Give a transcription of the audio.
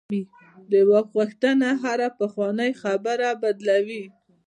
د واک غوښتنه هره پخوانۍ خبره بدلوي.